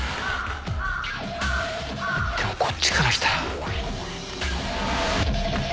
でもこっちから来たら。